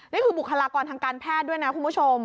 บุคลากรทางการแพทย์ด้วยนะคุณผู้ชม